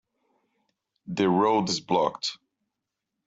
The road is blocked.